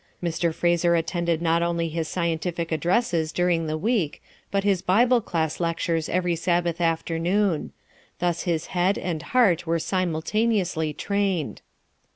Mr. Fraser attended not only his scientific addresses during the week, but his Bible class lectures every Sabbath afternoon; thus his head and heart were simultaneously trained.